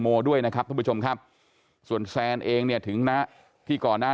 ด้วยนะครับท่านผู้ชมครับส่วนแซนเองเนี่ยถึงนะที่ก่อนหน้า